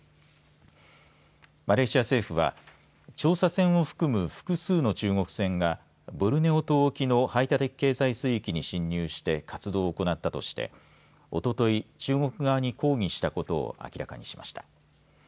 マレーシア政府は調査船を含む複数の中国船がボルネオ島沖の排他的経済水域に侵入して活動を行ったとしておととい中国側に抗議したことを明らかにしました。